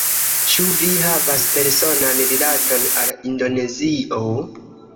Ĉu vi havas personan rilaton al Indonezio?